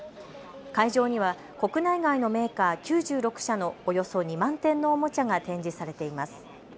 会場には国内外のメーカー９６社のおよそ２万点のおもちゃが展示されています。